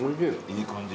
いい感じ？